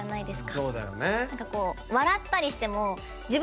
そうだよね。